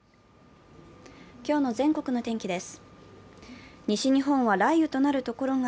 今日の全国の天気です。